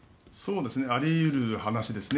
あり得る話ですね。